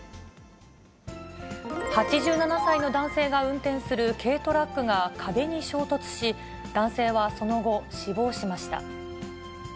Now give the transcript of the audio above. ８７歳の男性が運転する軽トラックが壁に衝突し、男性はその後、死亡しました。